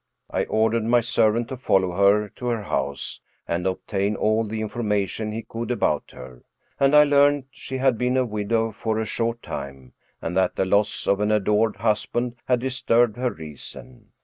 I ordered my servant to follow her to her house, and obtain all the in formation he could about her, and I learned she had been a widow for a short time, and that the loss of an adored husband had disturbed her reason.